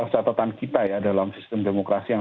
catatan kita ya dalam sistem demokrasi yang